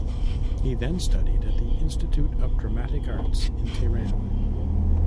He then studied at the Institute of Dramatic Arts in Tehran.